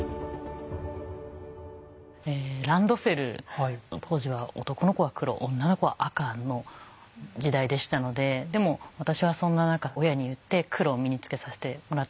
ランドセル当時は男の子は黒女の子は赤の時代でしたのででも私はそんな中親に言って黒を身につけさせてもらったんですね。